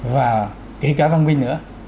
và kể cả văn minh nữa